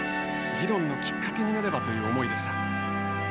議論のきっかけになればという思いでした。